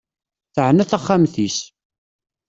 Teɛna taxxmat-is.